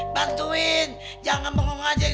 bantuin jangan mengajak